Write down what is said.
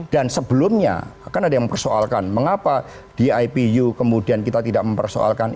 dan sebelumnya kan ada yang mempersoalkan mengapa di ipu kemudian kita tidak mempersoalkan